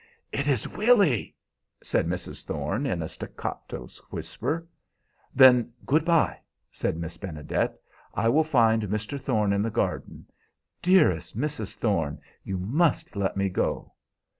"It is Willy!" said Mrs. Thorne in a staccato whisper. "Then good by!" said Miss Benedet. "I will find Mr. Thorne in the garden. Dearest Mrs. Thorne, you must let me go!"